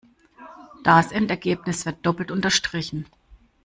Das Endergebnis wird doppelt unterstrichen.